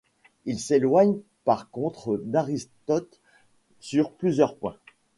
Il s'éloigne par contre d'Aristote sur plusieurs points.